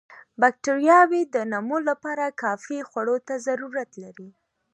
باکټریاوې د نمو لپاره کافي خوړو ته ضرورت لري.